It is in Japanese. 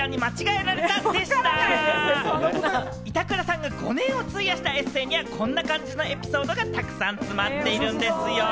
板倉さんが５年を費やしたエッセーには、こんな感じのエピソードがたくさん詰まっているそうですよ。